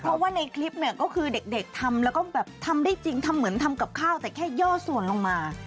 เพราะว่าในคลิปเนี่ยก็คือเด็กทำแล้วก็แบบทำได้จริงทำเหมือนทำกับข้าวแต่แค่ย่อส่วนลงมา